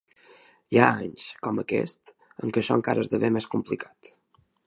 Hi ha anys, com aquest, en què això encara esdevé més complicat.